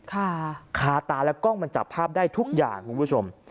คาตาแล้วกล้องมันจับภาพได้ทุกอย่างคุณผู้ชม